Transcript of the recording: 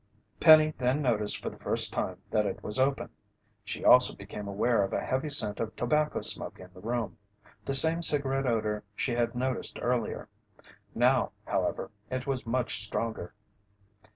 Penny then noticed for the first time that it was open. She also became aware of a heavy scent of tobacco smoke in the room the same cigarette odor she had noticed earlier. Now however, it was much stronger.